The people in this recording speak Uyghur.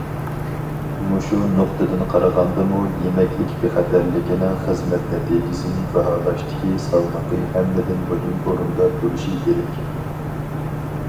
مۇشۇ نۇقتىدىن قارىغاندىمۇ، يېمەكلىك بىخەتەرلىكىنىڭ خىزمەت نەتىجىسىنى باھالاشتىكى سالمىقى ھەممىدىن مۇھىم ئورۇندا تۇرۇشى كېرەك.